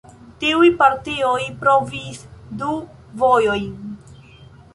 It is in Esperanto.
Tiuj partioj provis du vojojn.